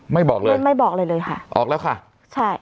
ไม่บอกเลยไม่บอกเลยค่ะออกแล้วค่ะใช่